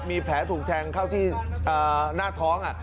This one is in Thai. มีแผลถูกแทงเข้าที่หน้าท้อง